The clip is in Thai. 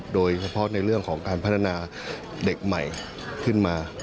โดยเฉพาะในเรื่องของการพัฒนาเด็กใหม่ขึ้นมา